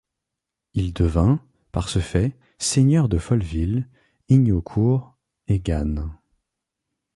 Il devint, par ce fait, seigneur de Folleville, Ignaucourt et Gannes.